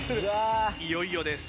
いよいよです。